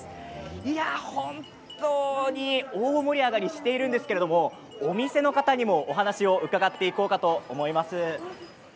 いや、本当に大盛り上がりしているんですけどもお店の方にもお話を伺っていこうかと思います。